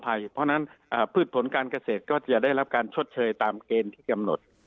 เพราะฉะนั้นพืชผลการเกษตรก็จะได้รับการชดเชยตามเกณฑ์ที่กำหนด